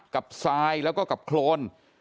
ทรายแล้วก็กับโครน